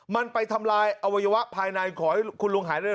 มันไปทำลายอวัยวะภายในขอให้คุณลุงหายเร็ว